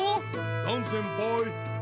ダンせんぱい！